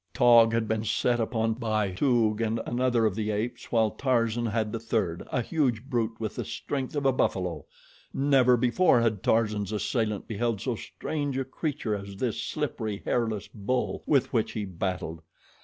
Taug had been set upon by Toog and another of the apes, while Tarzan had the third a huge brute with the strength of a buffalo. Never before had Tarzan's assailant beheld so strange a creature as this slippery, hairless bull with which he battled.